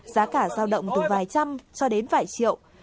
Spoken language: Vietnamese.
giá cả giao động từ vài trăm cho đến vài triệu